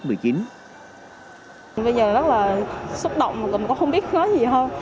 bây giờ rất là xúc động mà còn không biết nói gì hơn